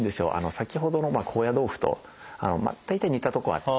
先ほどの高野豆腐と大体似たとこあって。